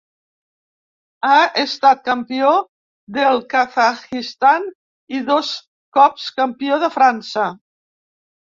Ha estat Campió del Kazakhstan, i dos cops Campió de França.